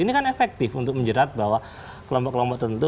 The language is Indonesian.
ini kan efektif untuk menjerat bahwa kelompok kelompok tertentu